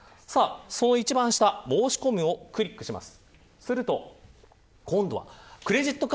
その一番下申し込む、をクリックします。